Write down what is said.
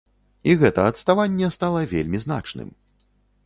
І гэта адставанне стала вельмі значным.